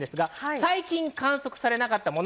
最近観測されなかったもの。